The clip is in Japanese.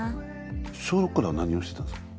小６から何をしてたんですか？